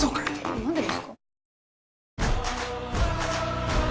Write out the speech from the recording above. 何でですか？